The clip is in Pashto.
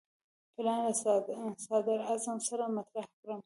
پلان له صدراعظم سره مطرح کړم.